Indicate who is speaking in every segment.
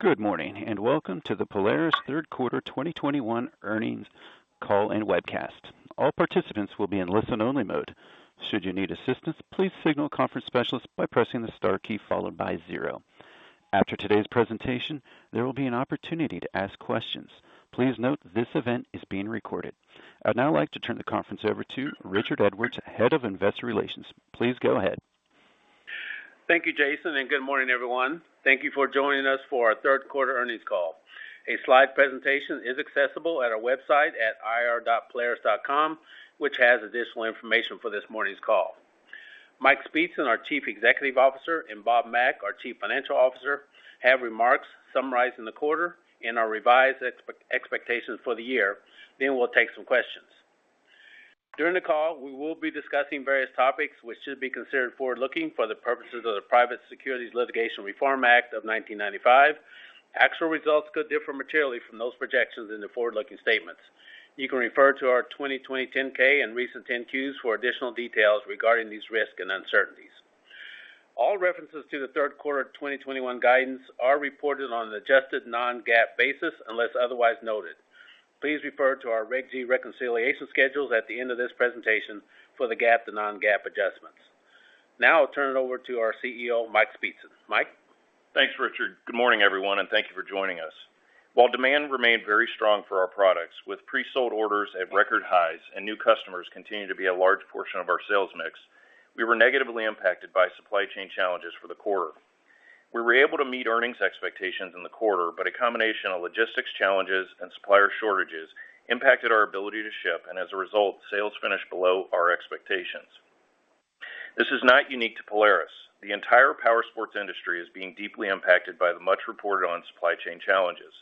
Speaker 1: Good morning, and welcome to the Polaris Q3 2021 Earnings Call and Webcast. All participants will be in listen-only mode. Should you need assistance, please signal a conference specialist by pressing the star key followed by 0. After today's presentation, there will be an opportunity to ask questions. Please note this event is being recorded. I'd now like to turn the conference over to Richard Edwards, Head of Investor Relations. Please go ahead.
Speaker 2: Thank you, Jason, and good morning, everyone. Thank you for joining us for our Q3 earnings call. A slide presentation is accessible at our website at ir.polaris.com, which has additional information for this morning's call. Michael Speetzen, our Chief Executive Officer, and Robert Mack, our Chief Financial Officer, have remarks summarizing the quarter and our revised expectations for the year. Then we'll take some questions. During the call, we will be discussing various topics which should be considered forward-looking for the purposes of the Private Securities Litigation Reform Act of 1995. Actual results could differ materially from those projections in the forward-looking statements. You can refer to our 2020 10-K and recent 10-Qs for additional details regarding these risks and uncertainties. All references to the Q3 of 2021 guidance are reported on an adjusted non-GAAP basis unless otherwise noted. Please refer to our Reg G reconciliation schedules at the end of this presentation for the GAAP to non-GAAP adjustments. Now I'll turn it over to our CEO, Michael Speetzen. Michael?
Speaker 3: Thanks, Richard. Good morning, everyone, and thank you for joining us. While demand remained very strong for our products with pre-sold orders at record highs and new customers continue to be a large portion of our sales mix, we were negatively impacted by supply chain challenges for the quarter. We were able to meet earnings expectations in the quarter, but a combination of logistics challenges and supplier shortages impacted our ability to ship, and as a result, sales finished below our expectations. This is not unique to Polaris. The entire powersports industry is being deeply impacted by the much reported on supply chain challenges.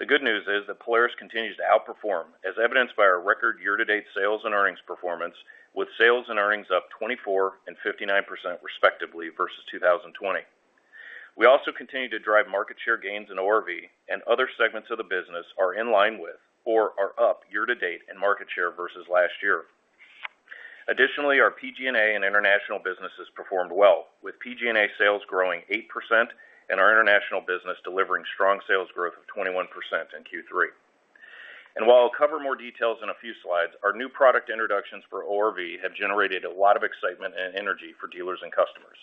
Speaker 3: The good news is that Polaris continues to outperform, as evidenced by our record year-to-date sales and earnings performance, with sales and earnings up 24% and 59% respectively versus 2020. We also continue to drive market share gains in ORV and other segments of the business are in line with or are up year-to-date in market share versus last year. Additionally, our PG&A and international businesses performed well, with PG&A sales growing 8% and our international business delivering strong sales growth of 21% in Q3. While I'll cover more details in a few slides, our new product introductions for ORV have generated a lot of excitement and energy for dealers and customers.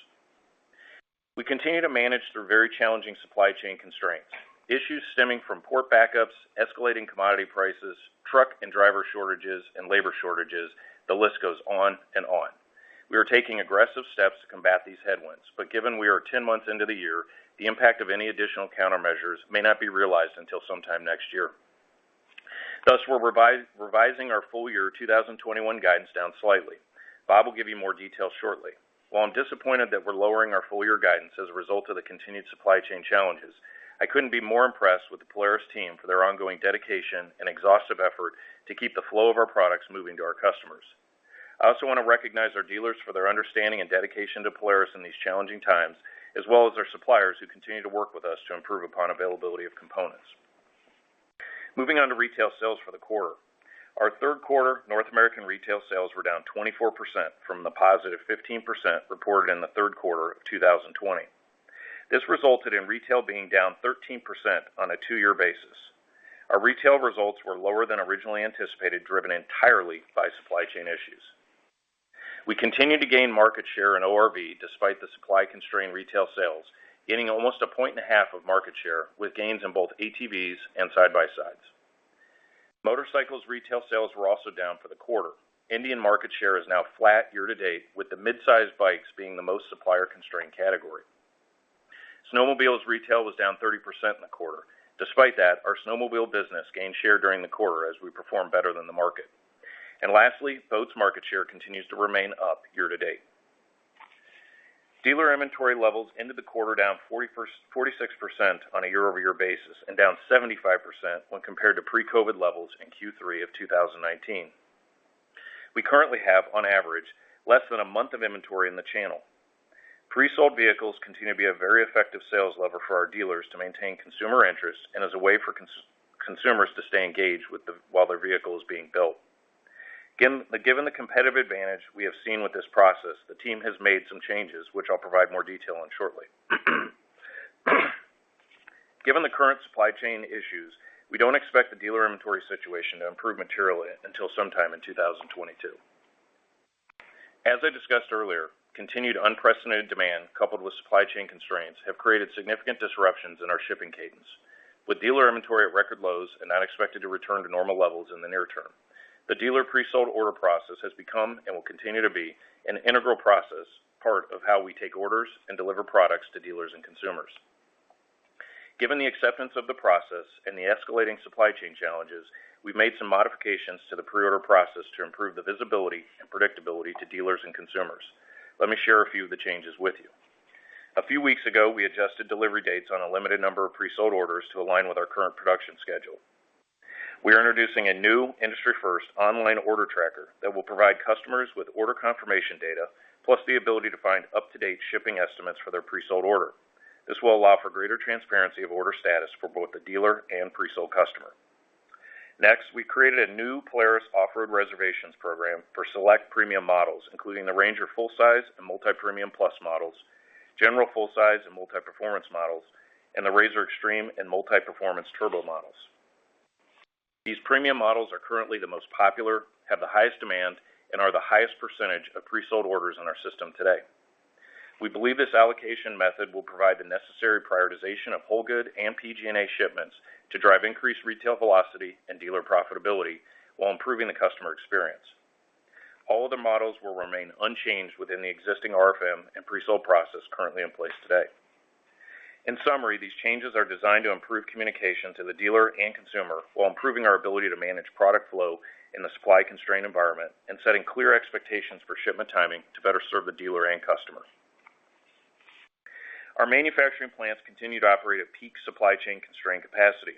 Speaker 3: We continue to manage through very challenging supply chain constraints, issues stemming from port backups, escalating commodity prices, truck and driver shortages, and labor shortages. The list goes on and on. We are taking aggressive steps to combat these headwinds, but given we are 10 months into the year, the impact of any additional countermeasures may not be realized until sometime next year. Thus, we're revising our full year 2021 guidance down slightly. Bob will give you more details shortly. While I'm disappointed that we're lowering our full year guidance as a result of the continued supply chain challenges, I couldn't be more impressed with the Polaris team for their ongoing dedication and exhaustive effort to keep the flow of our products moving to our customers. I also want to recognize our dealers for their understanding and dedication to Polaris in these challenging times, as well as our suppliers who continue to work with us to improve upon availability of components. Moving on to retail sales for the quarter. Our Q3 North American retail sales were down 24% from the positive 15% reported in the Q3 of 2020. This resulted in retail being down 13% on a two-year basis. Our retail results were lower than originally anticipated, driven entirely by supply chain issues. We continue to gain market share in ORV despite the supply-constrained retail sales, gaining almost 1.5 points of market share with gains in both ATVs and side-by-sides. Motorcycles retail sales were also down for the quarter. Indian market share is now flat year-to-date, with the mid-sized bikes being the most supplier-constrained category. Snowmobiles retail was down 30% in the quarter. Despite that, our snowmobile business gained share during the quarter as we performed better than the market. Lastly, Boats market share continues to remain up year-to-date. Dealer inventory levels into the quarter down 46% on a year-over-year basis and down 75% when compared to pre-COVID levels in Q3 of 2019. We currently have, on average, less than a month of inventory in the channel. Pre-sold vehicles continue to be a very effective sales lever for our dealers to maintain consumer interest and as a way for consumers to stay engaged while their vehicle is being built. Given the competitive advantage we have seen with this process, the team has made some changes which I'll provide more detail on shortly. Given the current supply chain issues, we don't expect the dealer inventory situation to improve materially until sometime in 2022. As I discussed earlier, continued unprecedented demand coupled with supply chain constraints have created significant disruptions in our shipping cadence. With dealer inventory at record lows and not expected to return to normal levels in the near term, the dealer pre-sold order process has become, and will continue to be, an integral part of how we take orders and deliver products to dealers and consumers. Given the acceptance of the process and the escalating supply chain challenges, we've made some modifications to the pre-order process to improve the visibility and predictability to dealers and consumers. Let me share a few of the changes with you. A few weeks ago, we adjusted delivery dates on a limited number of pre-sold orders to align with our current production schedule. We are introducing a new industry first online order tracker that will provide customers with order confirmation data, plus the ability to find up-to-date shipping estimates for their pre-sold order. This will allow for greater transparency of order status for both the dealer and pre-sold customer. Next, we created a new Polaris off-road reservations program for select premium models, including the RANGER full-size and multi-premium plus models, GENERAL full-size and multi-performance models, and the RZR Xtreme and multi-performance turbo models. These premium models are currently the most popular, have the highest demand, and are the highest percentage of pre-sold orders in our system today. We believe this allocation method will provide the necessary prioritization of whole good and PG&A shipments to drive increased retail velocity and dealer profitability while improving the customer experience. All other models will remain unchanged within the existing RFM and pre-sold process currently in place today. In summary, these changes are designed to improve communication to the dealer and consumer while improving our ability to manage product flow in the supply-constrained environment and setting clear expectations for shipment timing to better serve the dealer and customer. Our manufacturing plants continue to operate at peak supply chain constrained capacity.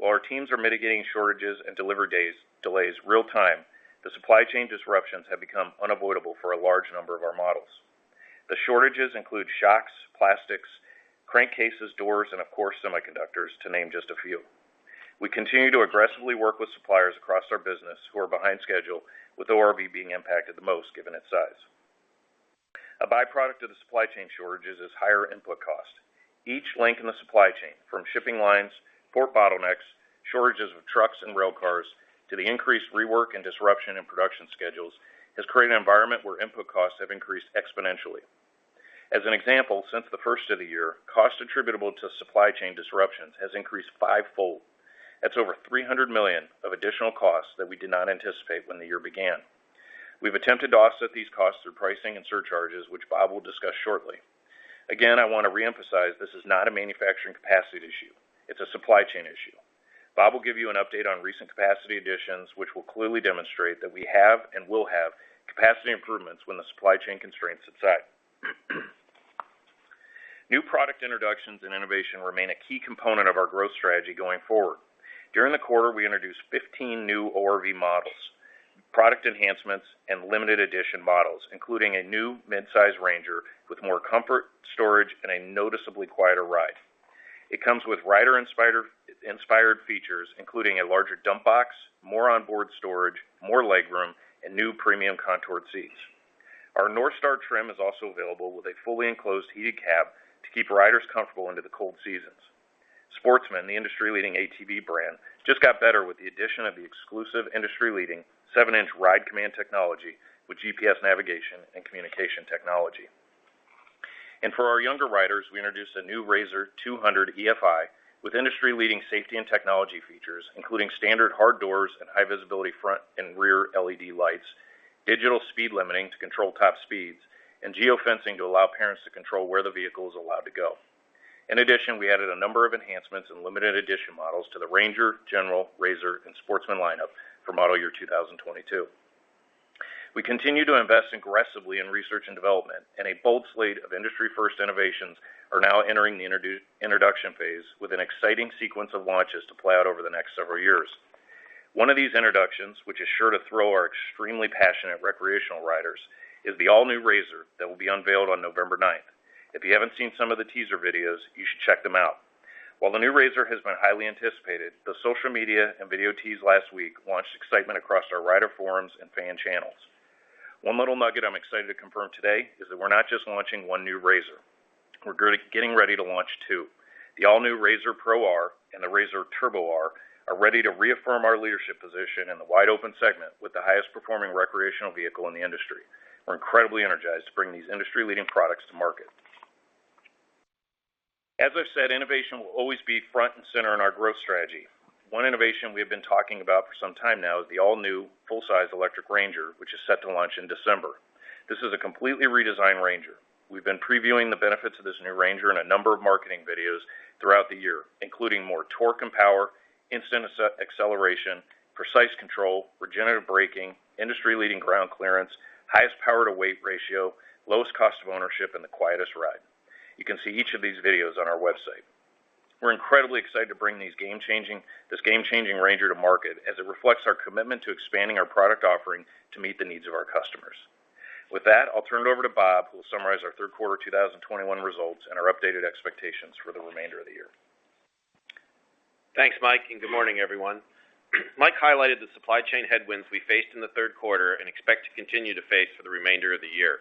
Speaker 3: While our teams are mitigating shortages and delays real-time, the supply chain disruptions have become unavoidable for a large number of our models. The shortages include shocks, plastics, crank cases, doors, and of course, semiconductors, to name just a few. We continue to aggressively work with suppliers across our business who are behind schedule, with ORV being impacted the most, given its size. A by-product of the supply chain shortages is higher input costs. Each link in the supply chain, from shipping lines, port bottlenecks, shortages of trucks and rail cars, to the increased rework and disruption in production schedules, has created an environment where input costs have increased exponentially. As an example, since the first of the year, cost attributable to supply chain disruptions has increased five-fold. That's over $300 million of additional costs that we did not anticipate when the year began. We've attempted to offset these costs through pricing and surcharges, which Bob will discuss shortly. Again, I want to re-emphasize this is not a manufacturing capacity issue. It's a supply chain issue. Bob will give you an update on recent capacity additions, which will clearly demonstrate that we have and will have capacity improvements when the supply chain constraints subside. New product introductions and innovation remain a key component of our growth strategy going forward. During the quarter, we introduced 15 new ORV models, product enhancements, and limited-edition models, including a new mid-size RANGER with more comfort, storage, and a noticeably quieter ride. It comes with rider-inspired features, including a larger dump box, more onboard storage, more legroom, and new premium contoured seats. Our NorthStar trim is also available with a fully enclosed heated cab to keep riders comfortable into the cold seasons. Sportsman, the industry-leading ATV brand, just got better with the addition of the exclusive industry-leading 7-inch RIDE COMMAND technology with GPS navigation and communication technology. For our younger riders, we introduced a new RZR 200 EFI with industry-leading safety and technology features, including standard hard doors and high visibility front and rear LED lights, digital speed limiting to control top speeds, and geofencing to allow parents to control where the vehicle is allowed to go. In addition, we added a number of enhancements and limited edition models to the RANGER, GENERAL, RZR, and Sportsman lineup for model year 2022. We continue to invest aggressively in research and development, and a bold slate of industry-first innovations are now entering the introduction phase with an exciting sequence of launches to play out over the next several years. One of these introductions, which is sure to thrill our extremely passionate recreational riders, is the all-new RZR that will be unveiled on November ninth. If you haven't seen some of the teaser videos, you should check them out. While the new RZR has been highly anticipated, the social media and video tease last week launched excitement across our rider forums and fan channels. One little nugget I'm excited to confirm today is that we're not just launching one new RZR. We're getting ready to launch two. The all-new RZR Pro R and the RZR Turbo R are ready to reaffirm our leadership position in the wide-open segment with the highest performing recreational vehicle in the industry. We're incredibly energized to bring these industry-leading products to market. As I've said, innovation will always be front and center in our growth strategy. One innovation we have been talking about for some time now is the all-new full-size electric RANGER, which is set to launch in December. This is a completely redesigned RANGER. We've been previewing the benefits of this new RANGER in a number of marketing videos throughout the year, including more torque and power, instant acceleration, precise control, regenerative braking, industry-leading ground clearance, highest power-to-weight ratio, lowest cost of ownership, and the quietest ride. You can see each of these videos on our website. We're incredibly excited to bring this game-changing RANGER to market as it reflects our commitment to expanding our product offering to meet the needs of our customers. With that, I'll turn it over to Bob, who will summarize our Q3 2021 results and our updated expectations for the remainder of the year.
Speaker 4: Thanks, Mike, and good morning, everyone. Mike highlighted the supply chain headwinds we faced in the Q3 and expect to continue to face for the remainder of the year.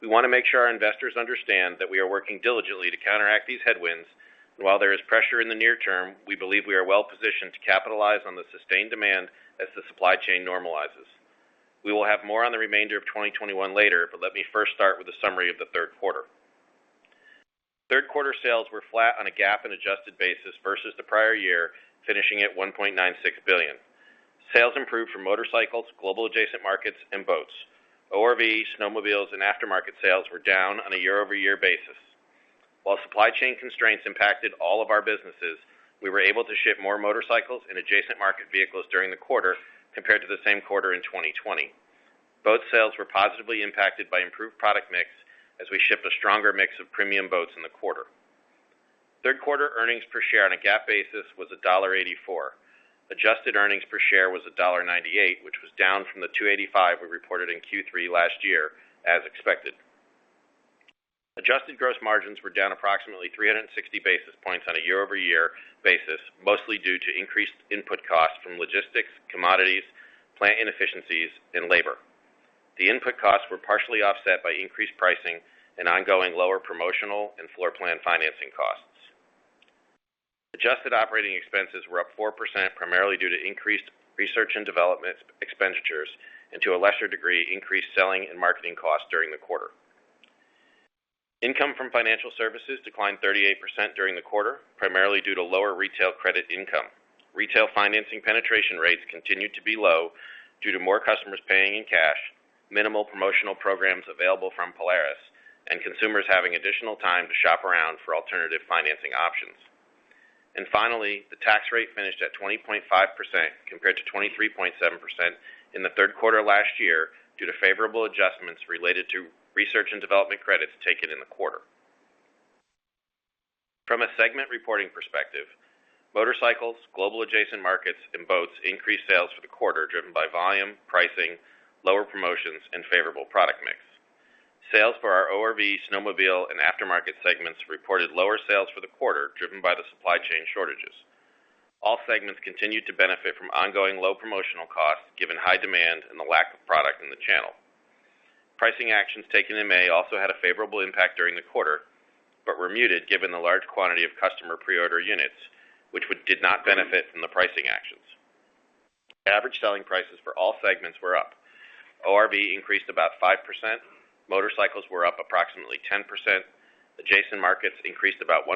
Speaker 4: We want to make sure our investors understand that we are working diligently to counteract these headwinds. While there is pressure in the near term, we believe we are well-positioned to capitalize on the sustained demand as the supply chain normalizes. We will have more on the remainder of 2021 later but let me first start with a summary of the Q3. Q3 sales were flat on a GAAP and adjusted basis versus the prior year, finishing at $1.96 billion. Sales improved for motorcycles, global adjacent markets, and boats. ORV, snowmobiles, and aftermarket sales were down on a year-over-year basis. While supply chain constraints impacted all of our businesses, we were able to ship more motorcycles and adjacent market vehicles during the quarter compared to the same quarter in 2020. Boat sales were positively impacted by improved product mix as we shipped a stronger mix of premium boats in the quarter. Q3 earnings per share on a GAAP basis was $1.84. Adjusted earnings per share was $1.98, which was down from the $2.85 we reported in Q3 last year as expected. Adjusted gross margins were down approximately 360 basis points on a year-over-year basis, mostly due to increased input costs from logistics, commodities, plant inefficiencies, and labor. The input costs were partially offset by increased pricing and ongoing lower promotional and floor plan financing costs. Adjusted operating expenses were up 4% primarily due to increased research and development expenditures, and to a lesser degree, increased selling and marketing costs during the quarter. Income from financial services declined 38% during the quarter, primarily due to lower retail credit income. Retail financing penetration rates continued to be low due to more customers paying in cash, minimal promotional programs available from Polaris, and consumers having additional time to shop around for alternative financing options. Finally, the tax rate finished at 20.5% compared to 23.7% in the Q3 last year due to favorable adjustments related to research and development credits taken in the quarter. From a segment reporting perspective, motorcycles, global adjacent markets, and boats increased sales for the quarter, driven by volume, pricing, lower promotions, and favorable product mix. Sales for our ORV, snowmobile, and aftermarket segments reported lower sales for the quarter, driven by the supply chain shortages. All segments continued to benefit from ongoing low promotional costs, given high demand and the lack of product in the channel. Pricing actions taken in May also had a favorable impact during the quarter, but were muted given the large quantity of customer pre-order units, which did not benefit from the pricing actions. Average selling prices for all segments were up. ORV increased about 5%, motorcycles were up approximately 10%, adjacent markets increased about 1%,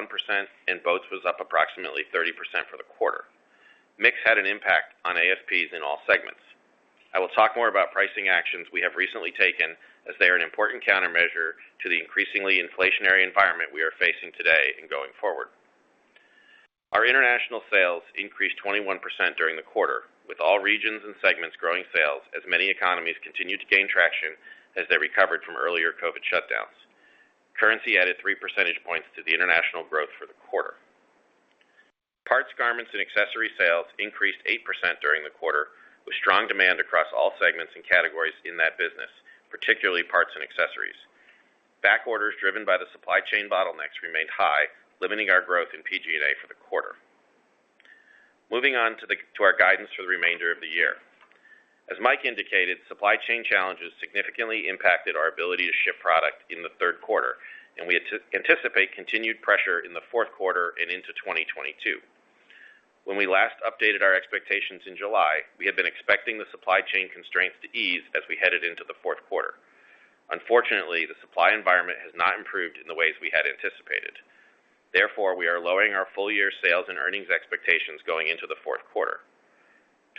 Speaker 4: and boats was up approximately 30% for the quarter. Mix had an impact on ASPs in all segments. I will talk more about pricing actions we have recently taken as they are an important countermeasure to the increasingly inflationary environment we are facing today and going forward. Our international sales increased 21% during the quarter, with all regions and segments growing sales as many economies continued to gain traction as they recovered from earlier COVID shutdowns. Currency added three percentage points to the international growth for the quarter. Parts, garments, and accessory sales increased 8% during the quarter, with strong demand across all segments and categories in that business, particularly parts and accessories. Back orders driven by the supply chain bottlenecks remained high, limiting our growth in PG&A for the quarter. Moving on to our guidance for the remainder of the year. As Mike indicated, supply chain challenges significantly impacted our ability to ship product in the Q3, and we anticipate continued pressure in the fourth quarter and into 2022. When we last updated our expectations in July, we had been expecting the supply chain constraints to ease as we headed into the fourth quarter. Unfortunately, the supply environment has not improved in the ways we had anticipated. Therefore, we are lowering our full-year sales and earnings expectations going into the fourth quarter.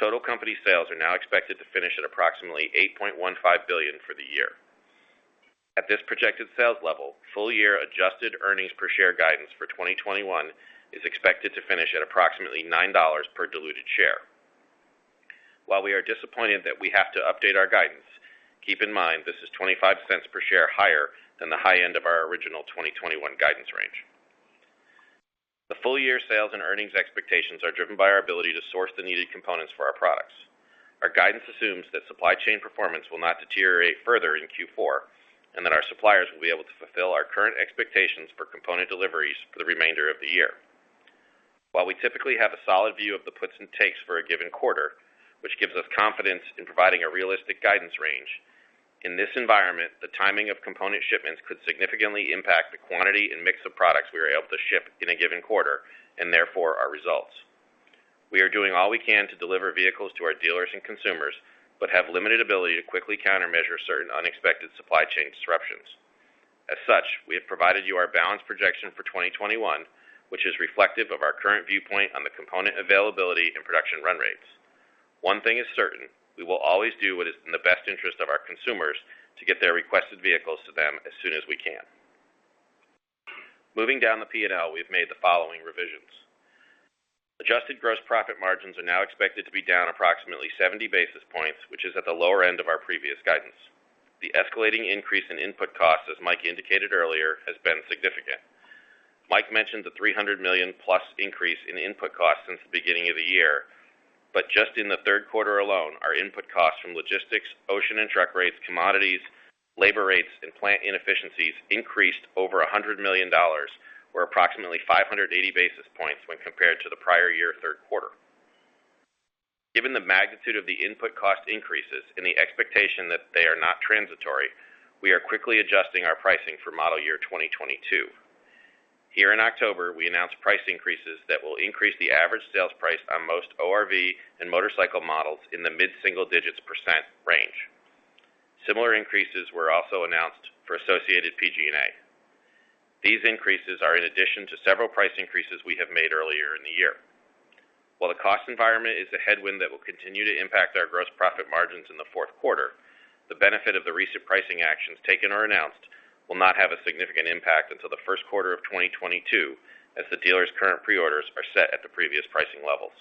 Speaker 4: Total company sales are now expected to finish at approximately $8.15 billion for the year. At this projected sales level, full-year adjusted earnings per share guidance for 2021 is expected to finish at approximately $9 per diluted share. While we are disappointed that we have to update our guidance, keep in mind this is $0.25 per share higher than the high end of our original 2021 guidance range. The full-year sales and earnings expectations are driven by our ability to source the needed components for our products. Our guidance assumes that supply chain performance will not deteriorate further in Q4, and that our suppliers will be able to fulfill our current expectations for component deliveries for the remainder of the year. While we typically have a solid view of the puts and takes for a given quarter, which gives us confidence in providing a realistic guidance range, in this environment, the timing of component shipments could significantly impact the quantity and mix of products we are able to ship in a given quarter, and therefore our results. We are doing all we can to deliver vehicles to our dealers and consumers but have limited ability to quickly countermeasure certain unexpected supply chain disruptions. As such, we have provided you our balanced projection for 2021, which is reflective of our current viewpoint on the component availability and production run rates. One thing is certain, we will always do what is in the best interest of our consumers to get their requested vehicles to them as soon as we can. Moving down the P&L, we've made the following revisions. Adjusted gross profit margins are now expected to be down approximately 70 basis points, which is at the lower end of our previous guidance. The escalating increase in input costs, as Mike indicated earlier, has been significant. Mike mentioned the $300 million+ increase in input costs since the beginning of the year. Just in the Q3 alone, our input costs from logistics, ocean and truck rates, commodities, labor rates, and plant inefficiencies increased over $100 million, or approximately 580 basis points when compared to the prior year Q3. Given the magnitude of the input cost increases and the expectation that they are not transitory, we are quickly adjusting our pricing for model year 2022. Here in October, we announced price increases that will increase the average sales price on most ORV and motorcycle models in the mid-single digits % range. Similar increases were also announced for associated PG&A. These increases are in addition to several price increases we have made earlier in the year. While the cost environment is a headwind that will continue to impact our gross profit margins in the fourth quarter, the benefit of the recent pricing actions taken or announced will not have a significant impact until the first quarter of 2022 as the dealers' current pre-orders are set at the previous pricing levels.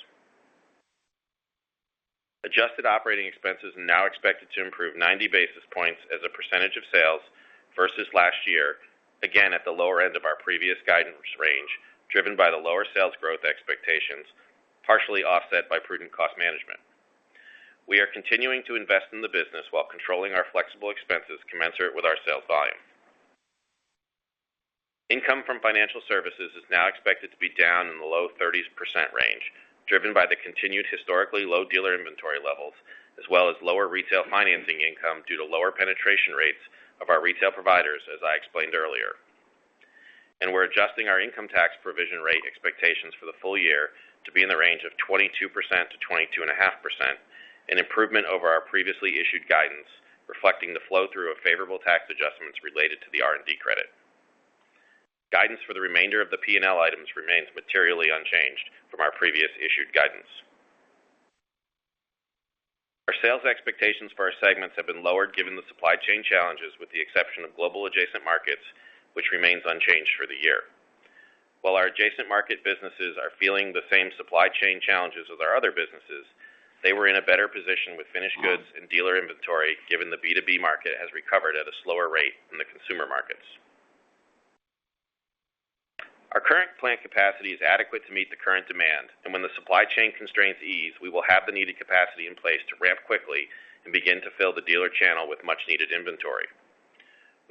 Speaker 4: Adjusted operating expenses are now expected to improve 90 basis points as a percentage of sales versus last year, again at the lower end of our previous guidance range, driven by the lower sales growth expectations, partially offset by prudent cost management. We are continuing to invest in the business while controlling our flexible expenses commensurate with our sales volume. Income from financial services is now expected to be down in the low 30s% range, driven by the continued historically low dealer inventory levels as well as lower retail financing income due to lower penetration rates of our retail providers, as I explained earlier. We're adjusting our income tax provision rate expectations for the full year to be in the range of 22%-22.5%, an improvement over our previously issued guidance, reflecting the flow through of favorable tax adjustments related to the R&D credit. Guidance for the remainder of the P&L items remains materially unchanged from our previous issued guidance. Our sales expectations for our segments have been lowered given the supply chain challenges with the exception of global adjacent markets, which remains unchanged for the year. While our adjacent market businesses are feeling the same supply chain challenges as our other businesses, they were in a better position with finished goods and dealer inventory, given the B2B market has recovered at a slower rate than the consumer markets. Our current plant capacity is adequate to meet the current demand, and when the supply chain constraints ease, we will have the needed capacity in place to ramp quickly and begin to fill the dealer channel with much needed inventory.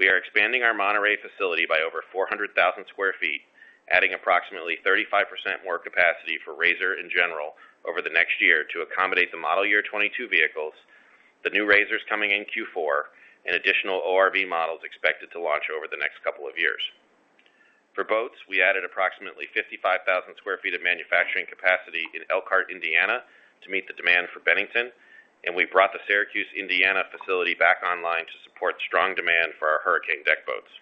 Speaker 4: We are expanding our Monterrey facility by over 400,000 sq ft, adding approximately 35% more capacity for RZR in general over the next year to accommodate the model year 2022 vehicles, the new RZRs coming in Q4 and additional ORV models expected to launch over the next couple of years. For boats, we added approximately 55,000 sq ft of manufacturing capacity in Elkhart, Indiana, to meet the demand for Bennington. We brought the Syracuse, Indiana, facility back online to support strong demand for our Hurricane deck boats.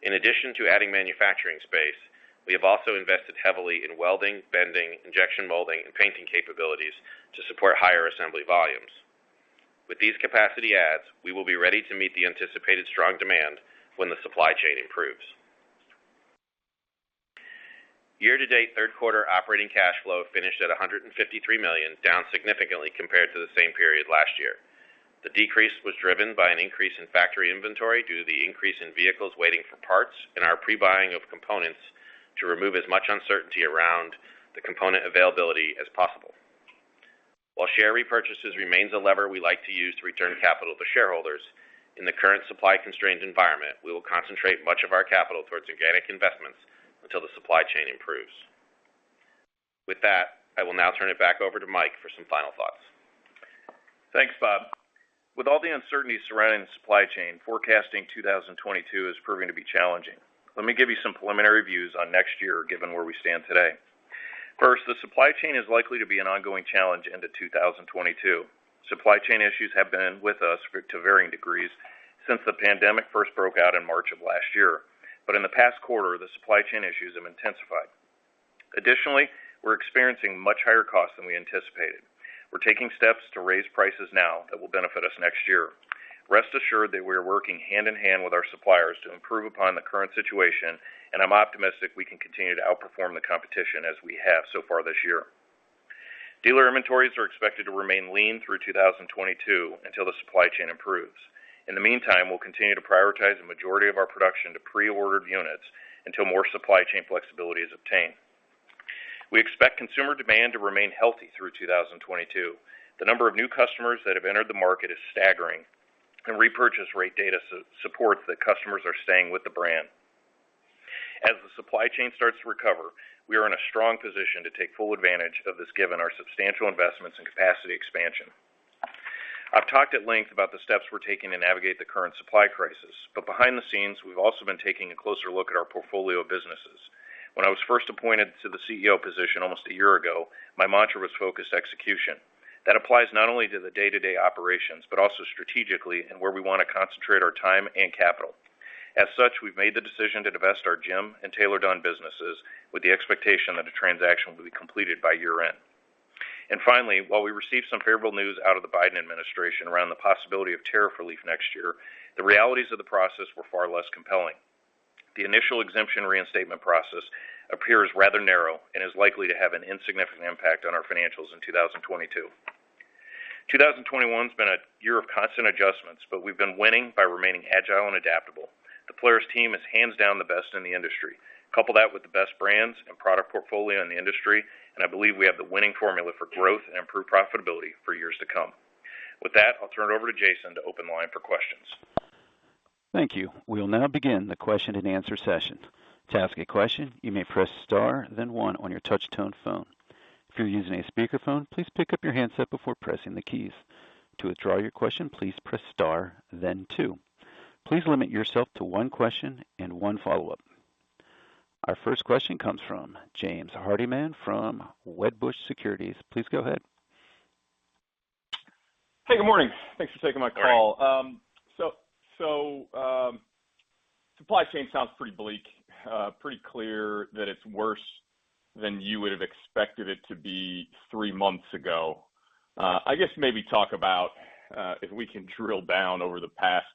Speaker 4: In addition to adding manufacturing space, we have also invested heavily in welding, bending, injection molding, and painting capabilities to support higher assembly volumes. With these capacity adds, we will be ready to meet the anticipated strong demand when the supply chain improves. Year-to-date Q3 operating cash flow finished at $153 million, down significantly compared to the same period last year. The decrease was driven by an increase in factory inventory due to the increase in vehicles waiting for parts and our pre-buying of components to remove as much uncertainty around the component availability as possible. While share repurchases remains a lever we like to use to return capital to shareholders, in the current supply constrained environment, we will concentrate much of our capital towards organic investments until the supply chain improves. With that, I will now turn it back over to Mike for some final thoughts.
Speaker 3: Thanks, Bob. With all the uncertainty surrounding the supply chain, forecasting 2022 is proving to be challenging. Let me give you some preliminary views on next year, given where we stand today. First, the supply chain is likely to be an ongoing challenge into 2022. Supply chain issues have been with us to varying degrees since the pandemic first broke out in March of last year. In the past quarter, the supply chain issues have intensified. Additionally, we're experiencing much higher costs than we anticipated. We're taking steps to raise prices now that will benefit us next year. Rest assured that we are working hand-in-hand with our suppliers to improve upon the current situation, and I'm optimistic we can continue to outperform the competition as we have so far this year. Dealer inventories are expected to remain lean through 2022 until the supply chain improves. In the meantime, we'll continue to prioritize the majority of our production to pre-ordered units until more supply chain flexibility is obtained. We expect consumer demand to remain healthy through 2022. The number of new customers that have entered the market is staggering, and repurchase rate data supports that customers are staying with the brand. As the supply chain starts to recover, we are in a strong position to take full advantage of this, given our substantial investments in capacity expansion. I've talked at length about the steps we're taking to navigate the current supply crisis, but behind the scenes, we've also been taking a closer look at our portfolio of businesses. When I was first appointed to the CEO position almost a year ago, my mantra was focus execution. That applies not only to the day-to-day operations, but also strategically and where we wanna concentrate our time and capital. As such, we've made the decision to divest our GEM and Taylor-Dunn businesses with the expectation that a transaction will be completed by year-end. Finally, while we received some favorable news out of the Biden administration around the possibility of tariff relief next year, the realities of the process were far less compelling. The initial exemption reinstatement process appears rather narrow and is likely to have an insignificant impact on our financials in 2022. 2021 has been a year of constant adjustments, but we've been winning by remaining agile and adaptable. The Polaris team is hands down the best in the industry. Couple that with the best brands and product portfolio in the industry, and I believe we have the winning formula for growth and improved profitability for years to come. With that, I'll turn it over to Jason to open the line for questions.
Speaker 1: Thank you. We'll now begin the question-and-answer session. To ask a question, you may press star then one on your touch tone phone. If you're using a speaker phone, please pick up your handset before pressing the keys. To withdraw your question, please press star then two. Please limit yourself to one question and one follow-up. Our first question comes from James Hardiman from Wedbush Securities. Please go ahead.
Speaker 5: Hey, good morning. Thanks for taking my call. Supply chain sounds pretty bleak, pretty clear that it's worse than you would have expected it to be three months ago. I guess maybe talk about if we can drill down over the past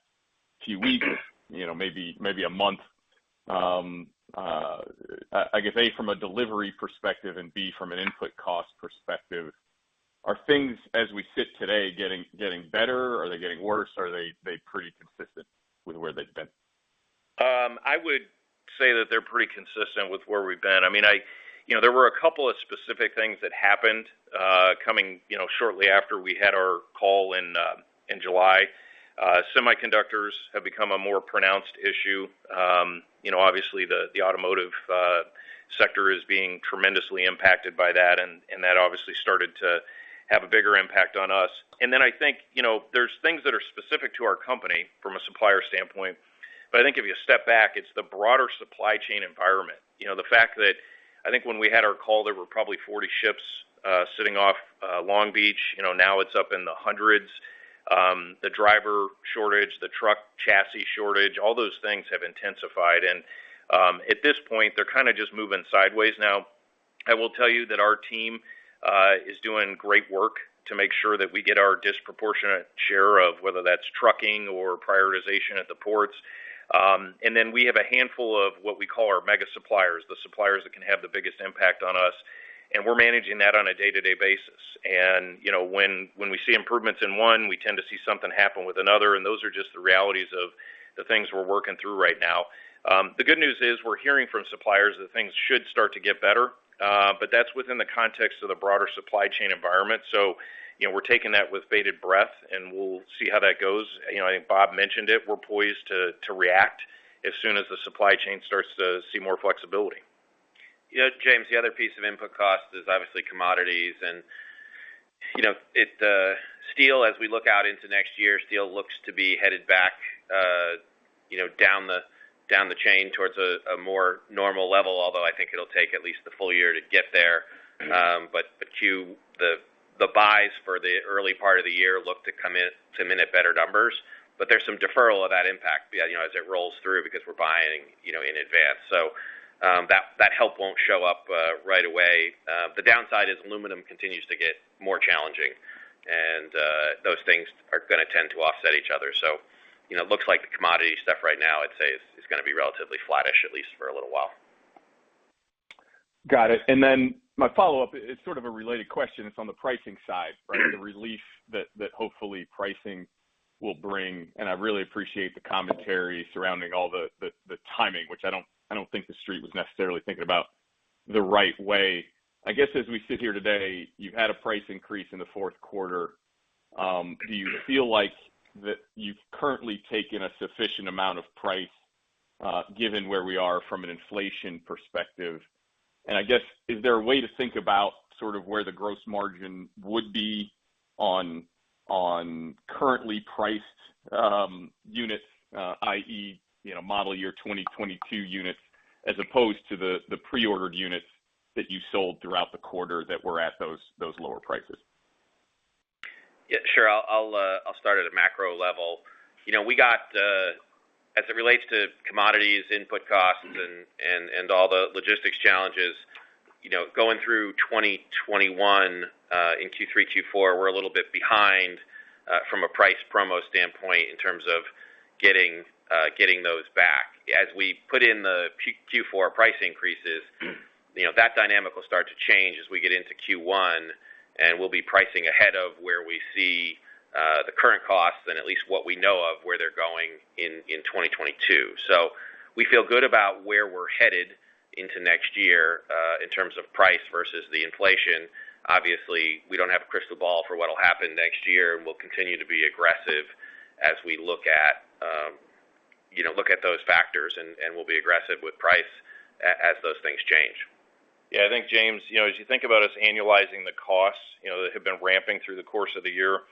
Speaker 5: few weeks, you know, maybe a month, I guess, A, from a delivery perspective, and B, from an input cost perspective, are things as we sit today getting better? Are they getting worse? Are they pretty consistent with where they've been?
Speaker 3: I would say that they're pretty consistent with where we've been. I mean, you know, there were a couple of specific things that happened, coming, you know, shortly after we had our call in July. Semiconductors have become a more pronounced issue. You know, obviously the automotive sector is being tremendously impacted by that and that obviously started to have a bigger impact on us. I think, you know, there's things that are specific to our company from a supplier standpoint, but I think if you step back, it's the broader supply chain environment. You know, the fact that I think when we had our call, there were probably 40 ships sitting off Long Beach. You know, now it's up in the hundreds. The driver shortage, the truck chassis shortage, all those things have intensified. At this point, they're kind of just moving sideways now. I will tell you that our team is doing great work to make sure that we get our disproportionate share of whether that's trucking or prioritization at the ports. We have a handful of what we call our mega suppliers, the suppliers that can have the biggest impact on us, and we're managing that on a day-to-day basis. You know, when we see improvements in one, we tend to see something happen with another, and those are just the realities of the things we're working through right now. The good news is we're hearing from suppliers that things should start to get better, but that's within the context of the broader supply chain environment. You know, we're taking that with bated breath, and we'll see how that goes. You know, I think Bob mentioned it, we're poised to react as soon as the supply chain starts to see more flexibility.
Speaker 4: You know, James, the other piece of input cost is obviously commodities. You know, if the steel as we look out into next year, steel looks to be headed back, you know, down the chain towards a more normal level, although I think it'll take at least the full year to get there.
Speaker 3: Mm-hmm.
Speaker 4: The buys for the early part of the year look to come in a minute better numbers. There's some deferral of that impact, you know, as it rolls through because we're buying, you know, in advance. That help won't show up right away. The downside is aluminum continues to get more challenging and those things are gonna tend to offset each other. It looks like the commodity stuff right now I'd say is gonna be relatively flattish, at least for a little while.
Speaker 5: Got it. Then my follow-up is sort of a related question. It's on the pricing side, right? The relief that hopefully pricing will bring, and I really appreciate the commentary surrounding all the timing, which I don't think the Street was necessarily thinking about the right way. I guess, as we sit here today, you've had a price increase in the fourth quarter. Do you feel like that you've currently taken a sufficient amount of price, given where we are from an inflation perspective? I guess, is there a way to think about sort of where the gross margin would be on currently priced units, i.e., you know, model year 2022 units as opposed to the pre-ordered units that you sold throughout the quarter that were at those lower prices?
Speaker 4: Yeah, sure. I'll start at a macro level. You know, we got as it relates to commodities input costs and all the logistics challenges, you know, going through 2021, in Q3, Q4, we're a little bit behind from a price promo standpoint in terms of getting those back. As we put in the Q4 price increases, you know, that dynamic will start to change as we get into Q1, and we'll be pricing ahead of where we see the current costs and at least what we know of where they're going in 2022. So we feel good about where we're headed into next year in terms of price versus the inflation. Obviously, we don't have a crystal ball for what'll happen next year, and we'll continue to be aggressive as we look at, you know, those factors and we'll be aggressive with price as those things change.
Speaker 3: Yeah, I think, James, you know, as you think about us annualizing the costs, you know, that have been ramping through the course of the year,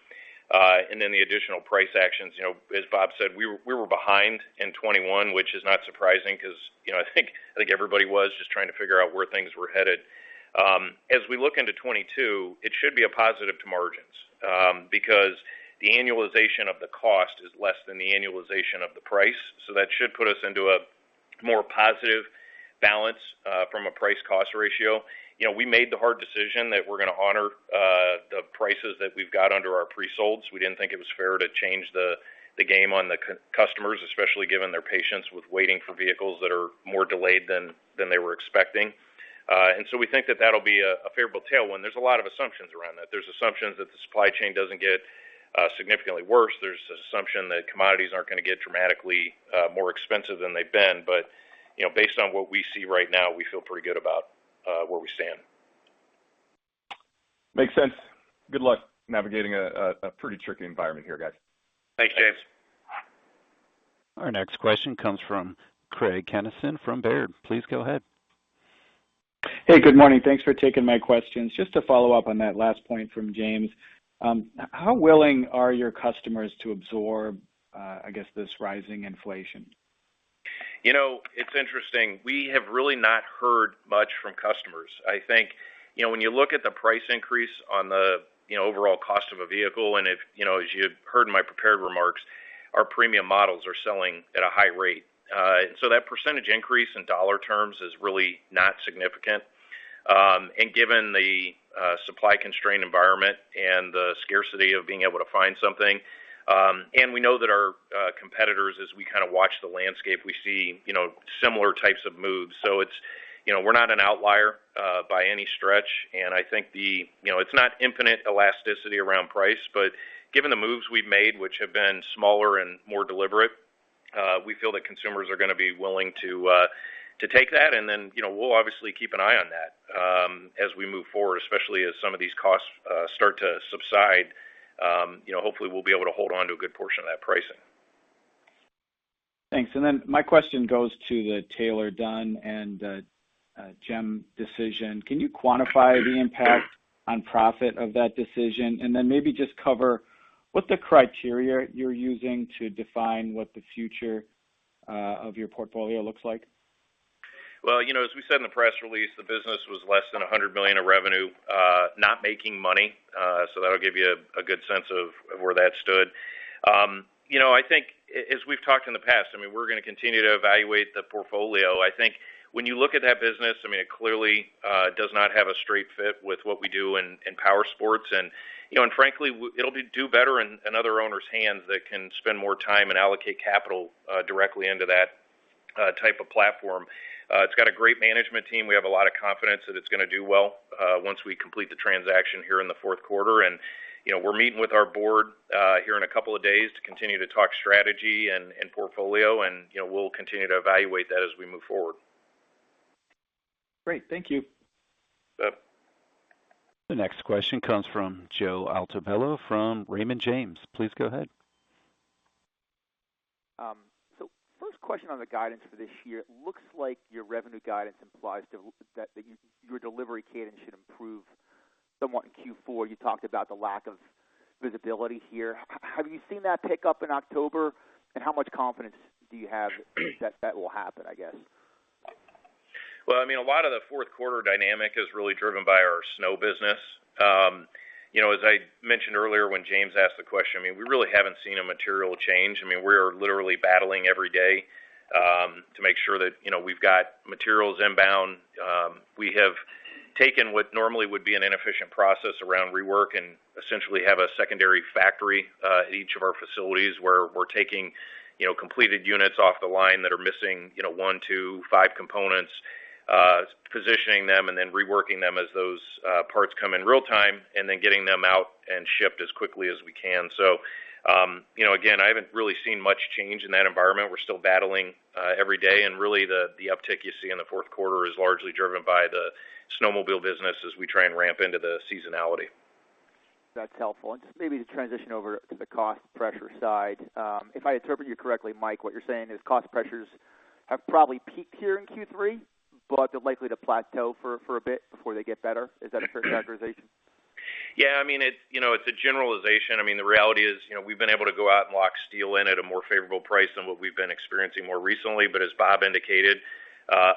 Speaker 3: and then the additional price actions, you know, as Bob said, we were behind in 2021, which is not surprising because, you know, I think everybody was just trying to figure out where things were headed. As we look into 2022, it should be a positive to margins, because the annualization of the cost is less than the annualization of the price. So that should put us into a more positive balance, from a price cost ratio. You know, we made the hard decision that we're gonna honor the prices that we've got under our pre-solds. We didn't think it was fair to change the game on the customers, especially given their patience with waiting for vehicles that are more delayed than they were expecting. We think that that'll be a favorable tailwind. There's a lot of assumptions around that. There's assumptions that the supply chain doesn't get significantly worse. There's assumption that commodities aren't gonna get dramatically more expensive than they've been. You know, based on what we see right now, we feel pretty good about where we stand.
Speaker 5: Makes sense. Good luck navigating a pretty tricky environment here, guys.
Speaker 4: Thanks, James.
Speaker 3: Thanks.
Speaker 1: Our next question comes from Craig Kennison from Baird. Please go ahead.
Speaker 6: Hey, good morning. Thanks for taking my questions. Just to follow up on that last point from James, how willing are your customers to absorb, I guess this rising inflation?
Speaker 3: You know, it's interesting. We have really not heard much from customers. I think, you know, when you look at the price increase on the, you know, overall cost of a vehicle, and if, you know, as you heard in my prepared remarks, our premium models are selling at a high rate. And so that percentage increase in dollar terms is really not significant. And given the supply constrained environment and the scarcity of being able to find something, and we know that our competitors as we kind of watch the landscape, we see, you know, similar types of moves. So it's, you know, we're not an outlier by any stretch, and I think the. You know, it's not infinite elasticity around price, but given the moves we've made, which have been smaller and more deliberate, we feel that consumers are gonna be willing to take that. You know, we'll obviously keep an eye on that, as we move forward, especially as some of these costs start to subside. You know, hopefully, we'll be able to hold on to a good portion of that pricing.
Speaker 6: Thanks. My question goes to the Taylor-Dunn and GEM decision. Can you quantify the impact on profit of that decision? Maybe just cover what the criteria you're using to define what the future of your portfolio looks like.
Speaker 3: Well, you know, as we said in the press release, the business was less than $100 million of revenue, not making money. So that'll give you a good sense of where that stood. You know, I think as we've talked in the past, I mean, we're gonna continue to evaluate the portfolio. I think when you look at that business, I mean, it clearly does not have a straight fit with what we do in powersports. You know, and frankly, it'll do better in other owners' hands that can spend more time and allocate capital directly into that type of platform. It's got a great management team. We have a lot of confidence that it's gonna do well once we complete the transaction here in the fourth quarter. you know, we're meeting with our board here in a couple of days to continue to talk strategy and portfolio and, you know, we'll continue to evaluate that as we move forward.
Speaker 6: Great. Thank you.
Speaker 3: Yep.
Speaker 1: The next question comes from Joseph Altobello from Raymond James. Please go ahead.
Speaker 7: First question on the guidance for this year. It looks like your revenue guidance implies that your delivery cadence should improve somewhat in Q4. You talked about the lack of visibility here. Have you seen that pick up in October? How much confidence do you have that will happen, I guess?
Speaker 3: Well, I mean, a lot of the fourth quarter dynamic is really driven by our snow business. You know, as I mentioned earlier, when James asked the question, I mean, we really haven't seen a material change. I mean, we're literally battling every day, to make sure that, you know, we've got materials inbound. We have taken what normally would be an inefficient process around rework and essentially have a secondary factory, at each of our facilities, where we're taking, you know, completed units off the line that are missing, you know, one to five components, positioning them, and then reworking them as those, parts come in real time, and then getting them out and shipped as quickly as we can. You know, again, I haven't really seen much change in that environment. We're still battling, every day. Really, the uptick you see in the fourth quarter is largely driven by the snowmobile business as we try and ramp into the seasonality.
Speaker 7: That's helpful. Just maybe to transition over to the cost pressure side. If I interpret you correctly, Mike, what you're saying is cost pressures have probably peaked here in Q3, but they're likely to plateau for a bit before they get better. Is that a fair characterization?
Speaker 3: Yeah. I mean, it's a generalization. I mean, the reality is, you know, we've been able to go out and lock steel in at a more favorable price than what we've been experiencing more recently. As Bob indicated,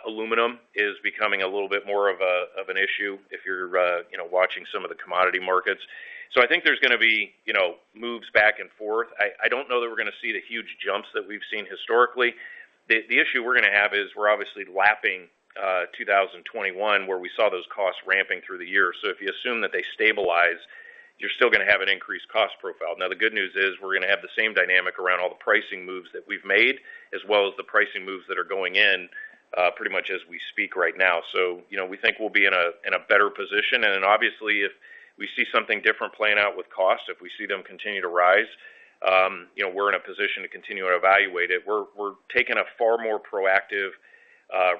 Speaker 3: aluminum is becoming a little bit more of an issue if you're, you know, watching some of the commodity markets. I think there's gonna be, you know, moves back and forth. I don't know that we're gonna see the huge jumps that we've seen historically. The issue we're gonna have is we're obviously lapping 2021, where we saw those costs ramping through the year. If you assume that they stabilize, you're still gonna have an increased cost profile. Now, the good news is we're gonna have the same dynamic around all the pricing moves that we've made, as well as the pricing moves that are going in, pretty much as we speak right now. You know, we think we'll be in a better position. Obviously, if we see something different playing out with cost, if we see them continue to rise, you know, we're in a position to continue to evaluate it. We're taking a far more proactive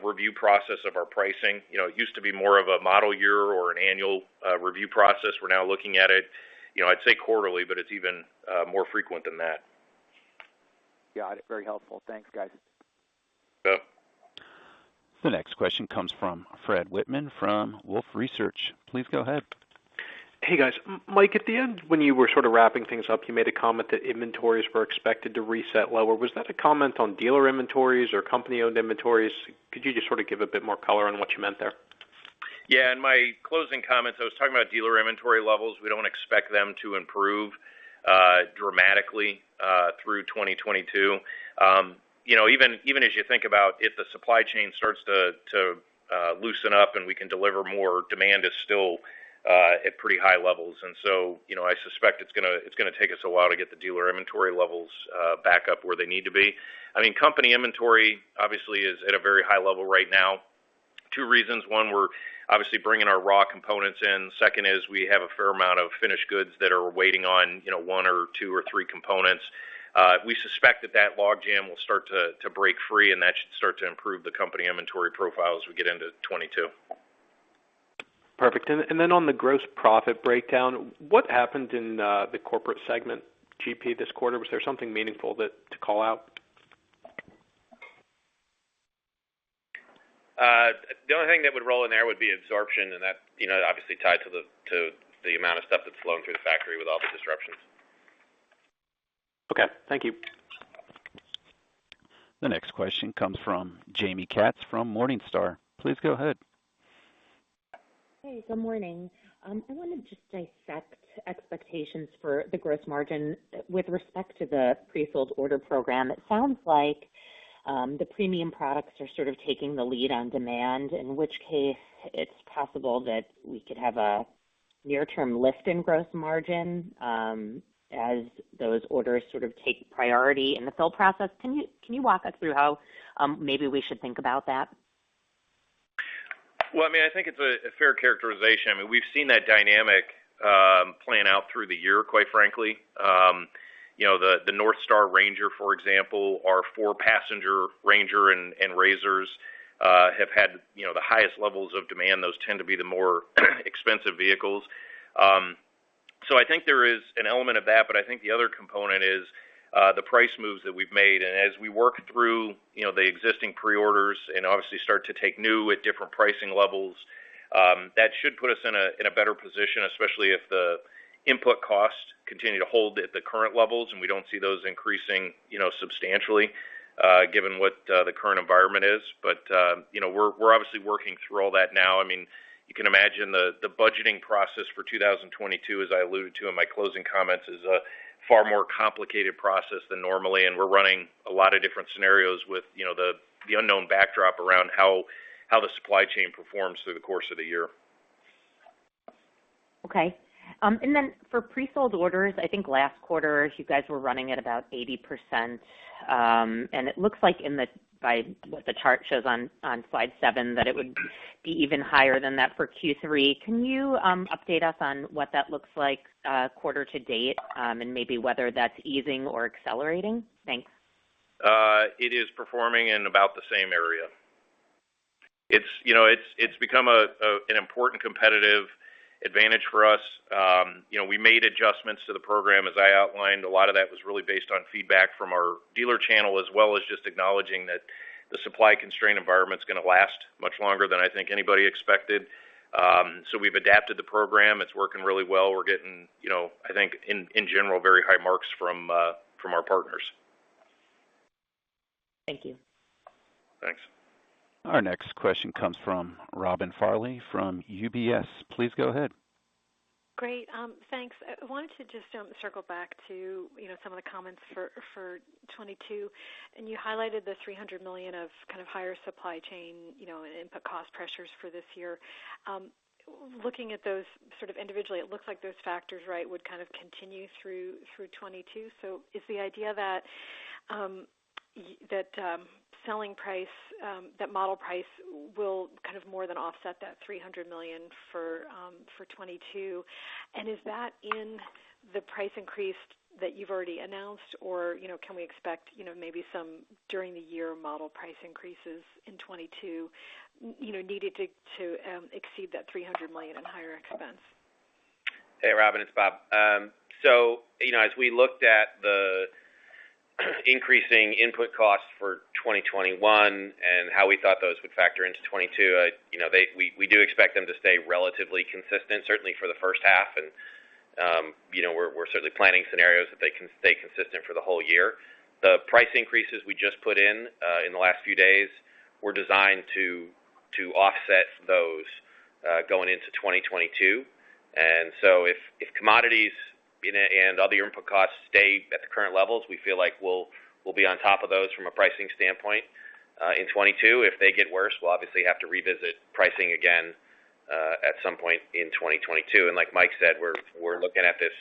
Speaker 3: review process of our pricing. You know, it used to be more of a model year or an annual review process. We're now looking at it, you know, I'd say quarterly, but it's even more frequent than that.
Speaker 7: Got it. Very helpful. Thanks, guys.
Speaker 3: Yep.
Speaker 1: The next question comes from Frederick Wightman from Wolfe Research. Please go ahead.
Speaker 8: Hey, guys. Mike, at the end, when you were sort of wrapping things up, you made a comment that inventories were expected to reset lower. Was that a comment on dealer inventories or company-owned inventories? Could you just sort of give a bit more color on what you meant there?
Speaker 3: Yeah. In my closing comments, I was talking about dealer inventory levels. We don't expect them to improve dramatically through 2022. You know, even as you think about if the supply chain starts to loosen up and we can deliver more, demand is still at pretty high levels. You know, I suspect it's gonna take us a while to get the dealer inventory levels back up where they need to be. I mean, company inventory obviously is at a very high level right now. Two reasons. One, we're obviously bringing our raw components in. Second is we have a fair amount of finished goods that are waiting on you know, one or two or three components. We suspect that logjam will start to break free, and that should start to improve the company inventory profile as we get into 2022.
Speaker 8: Perfect. Then on the gross profit breakdown, what happened in the corporate segment GP this quarter? Was there something meaningful that to call out?
Speaker 3: The only thing that would roll in there would be absorption, and that, you know, obviously tied to the amount of stuff that's flowing through the factory with all the disruptions.
Speaker 8: Okay. Thank you.
Speaker 1: The next question comes from Jaime Katz from Morningstar. Please go ahead.
Speaker 9: Hey, good morning. I wanna just dissect expectations for the gross margin with respect to the pre-filled order program. It sounds like the premium products are sort of taking the lead on demand, in which case it's possible that we could have a near-term lift in gross margin, as those orders sort of take priority in the sales process. Can you walk us through how maybe we should think about that?
Speaker 3: Well, I mean, I think it's a fair characterization. I mean, we've seen that dynamic playing out through the year, quite frankly. You know, the NorthStar RANGER, for example, our four-passenger RANGER and RZRs, have had you know, the highest levels of demand. Those tend to be the more expensive vehicles. I think there is an element of that, but I think the other component is the price moves that we've made. As we work through you know, the existing pre-orders and obviously start to take new at different pricing levels, that should put us in a better position, especially if the input costs continue to hold at the current levels, and we don't see those increasing you know, substantially, given what the current environment is. You know, we're obviously working through all that now. I mean, you can imagine the budgeting process for 2022, as I alluded to in my closing comments, is a far more complicated process than normally. We're running a lot of different scenarios with, you know, the unknown backdrop around how the supply chain performs through the course of the year.
Speaker 9: Okay. For pre-sold orders, I think last quarter you guys were running at about 80%, and it looks like by what the chart shows on slide seven, that it would be even higher than that for Q3. Can you update us on what that looks like quarter to date, and maybe whether that's easing or accelerating? Thanks.
Speaker 3: It is performing in about the same area. It's, you know, become an important competitive advantage for us. You know, we made adjustments to the program, as I outlined. A lot of that was really based on feedback from our dealer channel, as well as just acknowledging that the supply constraint environment's gonna last much longer than I think anybody expected. We've adapted the program. It's working really well. We're getting, you know, I think in general, very high marks from our partners.
Speaker 9: Thank you.
Speaker 3: Thanks.
Speaker 1: Our next question comes from Robin Farley from UBS. Please go ahead.
Speaker 10: Great. Thanks. I wanted to just circle back to, you know, some of the comments for 2022, and you highlighted the $300 million of kind of higher supply chain, you know, and input cost pressures for this year. Looking at those sort of individually, it looks like those factors, right, would kind of continue through 2022. Is the idea that selling price, that model price will kind of more than offset that $300 million for 2022? Is that in the price increase that you've already announced or, you know, can we expect, you know, maybe some during the year model price increases in 2022, you know, needed to exceed that $300 million in higher expense?
Speaker 4: Hey, Robin, it's Bob. You know, as we looked at the increasing input costs for 2021 and how we thought those would factor into 2022, we do expect them to stay relatively consistent, certainly for the first half. You know, we're certainly planning scenarios that they continue to stay consistent for the whole year. The price increases we just put in in the last few days were designed to offset those going into 2022. If commodities and other input costs stay at the current levels, we feel like we'll be on top of those from a pricing standpoint in 2022. If they get worse, we'll obviously have to revisit pricing again at some point in 2022. Like Mike said, we're looking at this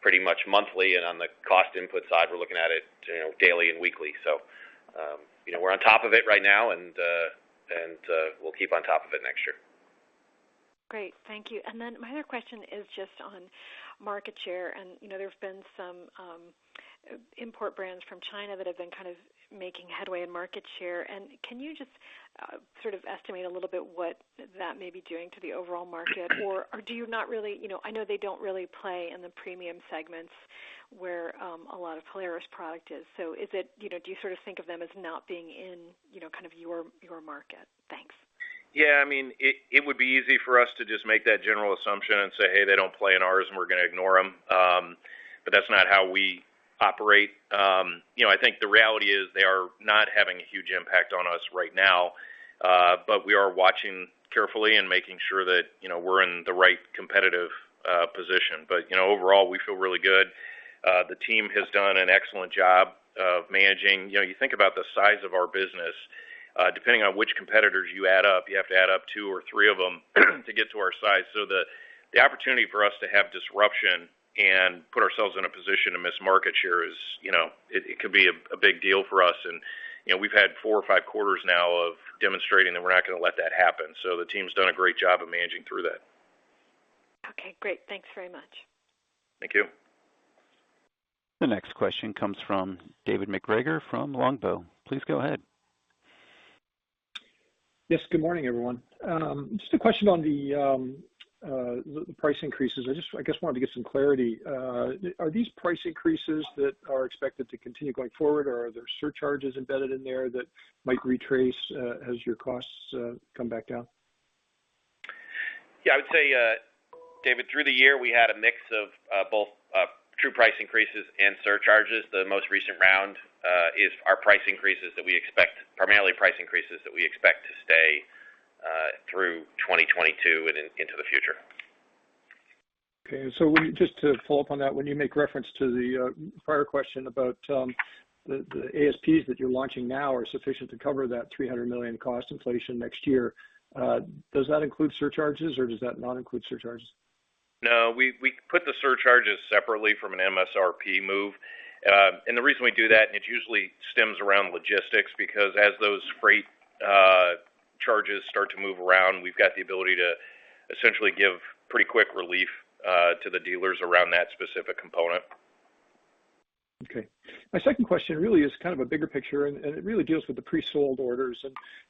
Speaker 4: pretty much monthly, and on the cost input side, we're looking at it, you know, daily and weekly. You know, we're on top of it right now and we'll keep on top of it next year.
Speaker 10: Great. Thank you. My other question is just on market share. You know, there's been some import brands from China that have been kind of making headway in market share. Can you just sort of estimate a little bit what that may be doing to the overall market? Or do you not really? You know, I know they don't really play in the premium segments where a lot of Polaris product is. You know, do you sort of think of them as not being in, you know, kind of your market? Thanks.
Speaker 4: Yeah. I mean, it would be easy for us to just make that general assumption and say, "Hey, they don't play in ours, and we're gonna ignore them." That's not how we operate. You know, I think the reality is they are not having a huge impact on us right now. We are watching carefully and making sure that, you know, we're in the right competitive position. You know, overall, we feel really good. The team has done an excellent job of managing. You know, you think about the size of our business, depending on which competitors you add up, you have to add up two or three of them to get to our size. The opportunity for us to have disruption and put ourselves in a position to miss market share is, you know, it could be a big deal for us. You know, we've had four or five quarters now of demonstrating that we're not gonna let that happen. The team's done a great job of managing through that.
Speaker 10: Okay, great. Thanks very much.
Speaker 3: Thank you.
Speaker 1: The next question comes from David MacGregor from Longbow. Please go ahead.
Speaker 11: Yes, good morning, everyone. Just a question on the price increases. I just, I guess, wanted to get some clarity. Are these price increases that are expected to continue going forward, or are there surcharges embedded in there that might retrace as your costs come back down?
Speaker 3: Yeah. I would say, David, through the year, we had a mix of both true price increases and surcharges. The most recent round is primarily price increases that we expect to stay through 2022 and into the future.
Speaker 11: Okay. Just to follow up on that, when you make reference to the prior question about the ASPs that you're launching now are sufficient to cover that $300 million cost inflation next year, does that include surcharges or does that not include surcharges?
Speaker 3: No, we put the surcharges separately from an MSRP move. The reason we do that, and it usually stems around logistics, because as those freight charges start to move around, we've got the ability to essentially give pretty quick relief to the dealers around that specific component.
Speaker 11: Okay. My second question really is kind of a bigger picture, and it really deals with the pre-sold orders.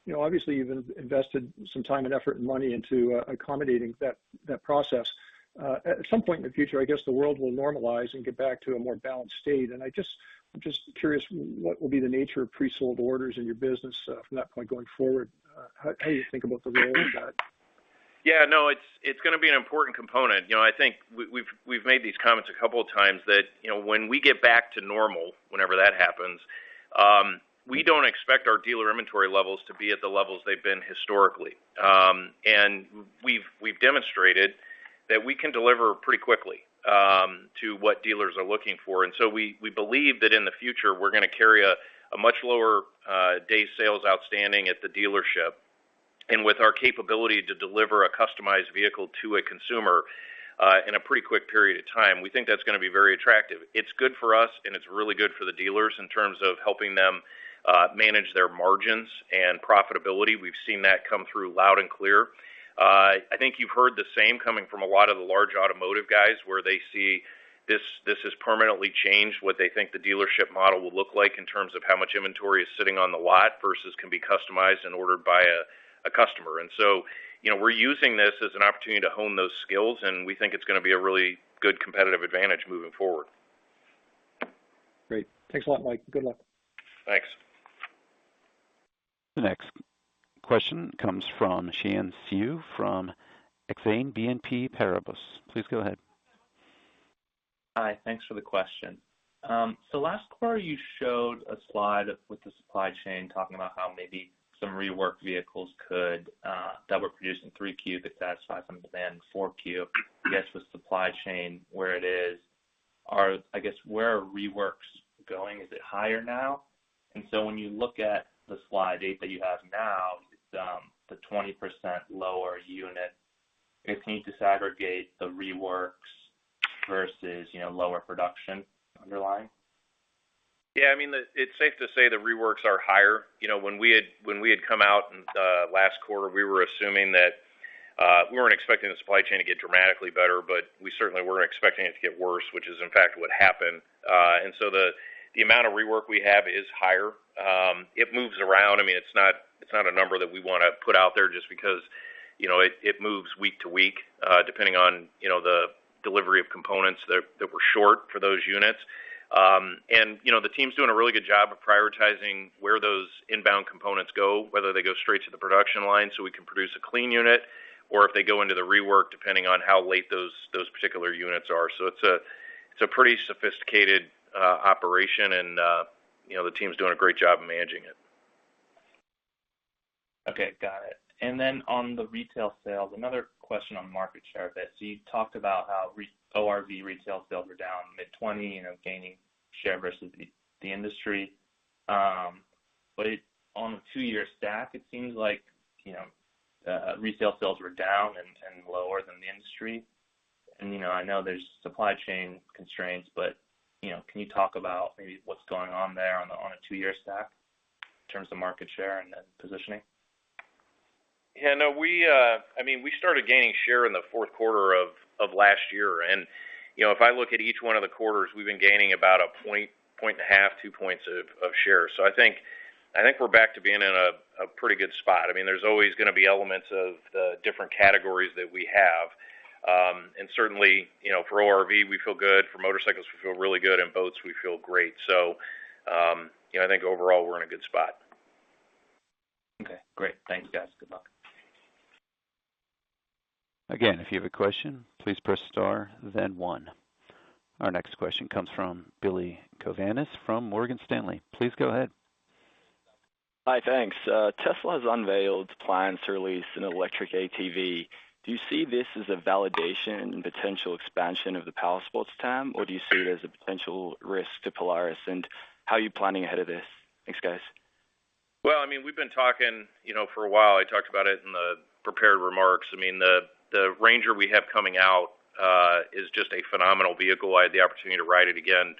Speaker 11: You know, obviously, you've invested some time and effort and money into accommodating that process. At some point in the future, I guess the world will normalize and get back to a more balanced state. I'm just curious, what will be the nature of pre-sold orders in your business from that point going forward? How do you think about the role of that?
Speaker 3: Yeah, no, it's gonna be an important component. You know, I think we've made these comments a couple of times that, you know, when we get back to normal, whenever that happens, we don't expect our dealer inventory levels to be at the levels they've been historically. We've demonstrated that we can deliver pretty quickly to what dealers are looking for. We believe that in the future, we're gonna carry a much lower day sales outstanding at the dealership. With our capability to deliver a customized vehicle to a consumer in a pretty quick period of time, we think that's gonna be very attractive. It's good for us, and it's really good for the dealers in terms of helping them manage their margins and profitability. We've seen that come through loud and clear. I think you've heard the same coming from a lot of the large automotive guys where they see this has permanently changed what they think the dealership model will look like in terms of how much inventory is sitting on the lot versus can be customized and ordered by a customer. You know, we're using this as an opportunity to hone those skills, and we think it's gonna be a really good competitive advantage moving forward.
Speaker 11: Great. Thanks a lot, Mike. Good luck.
Speaker 3: Thanks.
Speaker 1: The next question comes from Xian Siew from Exane BNP Paribas. Please go ahead.
Speaker 12: Hi. Thanks for the question. Last quarter, you showed a slide with the supply chain talking about how maybe some rework vehicles that were produced in Q3 could satisfy some demand in Q4. I guess with supply chain where it is, I guess, where are reworks going? Is it higher now? When you look at the slide data that you have now, the 20% lower unit, if you need to aggregate the reworks versus, you know, lower production underlying.
Speaker 3: Yeah, I mean, it's safe to say the reworks are higher. You know, when we had come out in the last quarter, we were assuming that we weren't expecting the supply chain to get dramatically better, but we certainly weren't expecting it to get worse, which is in fact what happened. The amount of rework we have is higher. It moves around. I mean, it's not a number that we wanna put out there just because, you know, it moves week to week, depending on, you know, the delivery of components that were short for those units. You know, the team's doing a really good job of prioritizing where those inbound components go, whether they go straight to the production line so we can produce a clean unit or if they go into the rework, depending on how late those particular units are. It's a pretty sophisticated operation, and you know, the team's doing a great job of managing it.
Speaker 12: Okay, got it. On the retail sales, another question on market share that you talked about how ORV retail sales are down mid-20%, you know, gaining share versus the industry. On the two-year stack, it seems like, you know, retail sales were down and lower than the industry. You know, I know there's supply chain constraints, but, you know, can you talk about maybe what's going on there on a two-year stack in terms of market share and then positioning?
Speaker 3: Yeah, no. We, I mean, we started gaining share in the fourth quarter of last year. You know, if I look at each one of the quarters, we've been gaining about a point and a half, two points of share. I think we're back to being in a pretty good spot. I mean, there's always gonna be elements of the different categories that we have. Certainly, you know, for ORV, we feel good. For motorcycles, we feel really good. In boats, we feel great. You know, I think overall we're in a good spot.
Speaker 12: Okay, great. Thanks, guys. Good luck.
Speaker 1: Again, if you have a question, please press star then one. Our next question comes from Billy Kovanis from Morgan Stanley. Please go ahead.
Speaker 13: Hi, thanks. Tesla has unveiled plans to release an electric ATV. Do you see this as a validation and potential expansion of the powersports TAM, or do you see it as a potential risk to Polaris? How are you planning ahead of this? Thanks, guys.
Speaker 3: Well, I mean, we've been talking, you know, for a while. I talked about it in the prepared remarks. I mean, the RANGER we have coming out is just a phenomenal vehicle. I had the opportunity to ride it again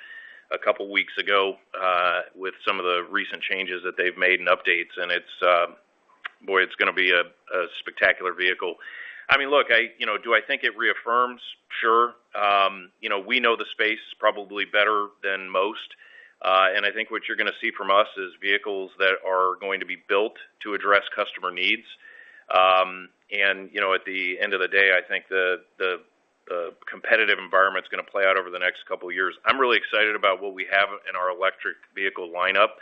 Speaker 3: a couple weeks ago with some of the recent changes that they've made and updates, and it's boy, it's gonna be a spectacular vehicle. I mean, look, I you know, do I think it reaffirms? Sure. You know, we know the space probably better than most. And I think what you're gonna see from us is vehicles that are going to be built to address customer needs. You know, at the end of the day, I think the competitive environment is gonna play out over the next couple of years. I'm really excited about what we have in our electric vehicle lineup.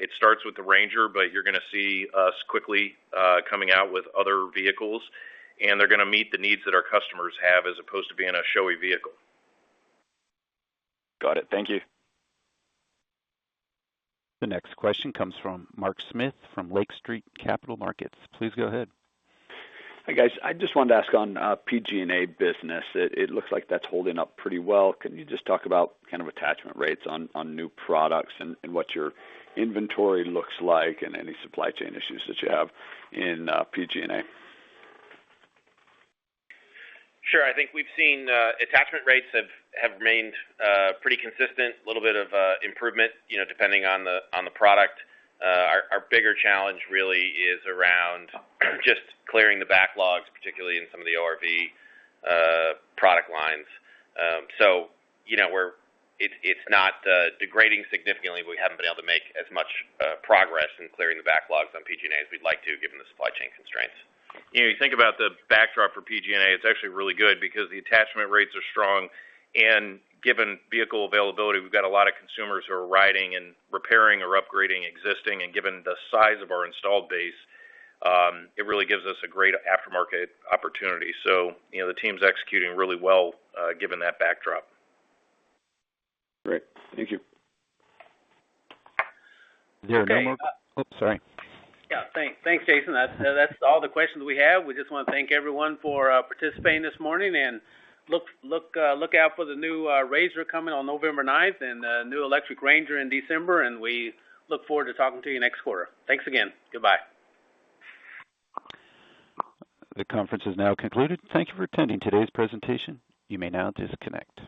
Speaker 3: It starts with the RANGER, but you're gonna see us quickly coming out with other vehicles, and they're gonna meet the needs that our customers have as opposed to being a showy vehicle.
Speaker 13: Got it. Thank you.
Speaker 1: The next question comes from Mark Smith from Lake Street Capital Markets. Please go ahead.
Speaker 14: Hi, guys. I just wanted to ask on PG&A business. It looks like that's holding up pretty well. Can you just talk about kind of attachment rates on new products and what your inventory looks like and any supply chain issues that you have in PG&A?
Speaker 3: Sure. I think we've seen attachment rates have remained pretty consistent, a little bit of improvement, you know, depending on the product. Our bigger challenge really is around just clearing the backlogs, particularly in some of the ORV product lines. You know, it's not degrading significantly. We haven't been able to make as much progress in clearing the backlogs on PG&A as we'd like to given the supply chain constraints. You know, you think about the backdrop for PG&A, it's actually really good because the attachment rates are strong. Given vehicle availability, we've got a lot of consumers who are riding and repairing or upgrading existing. Given the size of our installed base, it really gives us a great aftermarket opportunity. You know, the team's executing really well, given that backdrop.
Speaker 14: Great. Thank you.
Speaker 1: Is there no more?
Speaker 3: Okay.
Speaker 1: Oops, sorry.
Speaker 3: Yeah. Thanks, Jason. That's all the questions we have. We just wanna thank everyone for participating this morning, and look out for the new RZR coming on November ninth and new electric RANGER in December, and we look forward to talking to you next quarter. Thanks again. Goodbye.
Speaker 1: The conference is now concluded. Thank you for attending today's presentation. You may now disconnect.